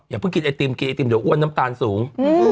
เพิ่งกินไอติมกินไอติมเดี๋ยวอ้วนน้ำตาลสูง